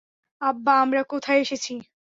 আব্বা, আমরা কোথায় এসেছি?